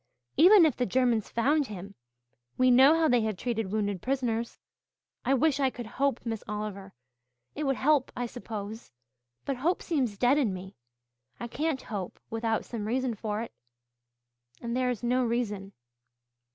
Even if the Germans found him we know how they have treated wounded prisoners. I wish I could hope, Miss Oliver it would help, I suppose. But hope seems dead in me. I can't hope without some reason for it and there is no reason."